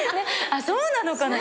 そうなのかな？